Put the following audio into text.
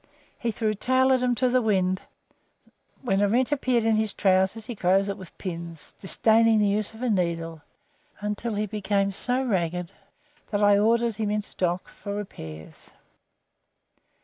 He threw tailordom to the winds; when a rent appeared in his trousers he closed it with pins, disdaining the use of the needle, until he became so ragged that I ordered him into dock for repairs.